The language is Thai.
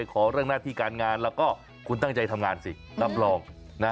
ขอเรื่องหน้าที่การงานแล้วก็คุณตั้งใจทำงานสิรับรอง